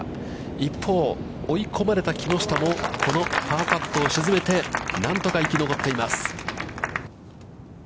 一方、追い込まれた木下も、このパーパットを沈めて、何とか生き残っています。